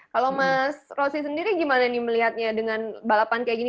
kalau mas rosi sendiri gimana nih melihatnya dengan balapan kayak gini